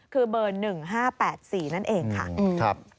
คือเบอร์๑๕๘๔นั่นเองค่ะ